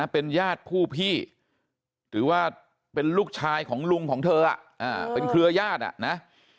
เป็นญาติผู้พี่หรือว่าเป็นลูกชายของลุงของเธอเป็นเครือญาตินะ